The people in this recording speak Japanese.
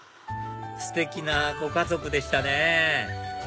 ステキなご家族でしたね